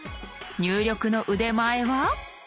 入力の腕前は？